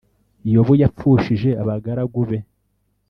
yobu yapfushije abagaragu be